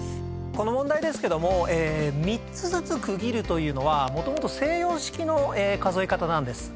この問題ですけども３つずつ区切るというのはもともと西洋式の数え方なんです。